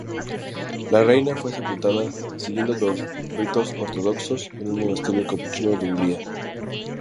La reina fue sepultada siguiendo los ritos ortodoxos en un monasterio capuchino de Hungría.